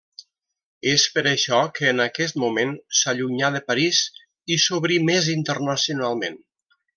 És per això que en aquest moment s’allunyà de París i s’obrí més internacionalment.